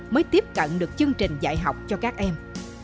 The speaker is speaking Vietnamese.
mới tiếp cận được chương trình dạy học cho các em